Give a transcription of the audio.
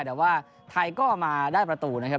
แต่ว่าไทยก็มาได้ประตูนะครับ